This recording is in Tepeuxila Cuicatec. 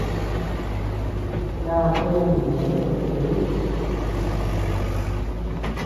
Na eanuu dudtï.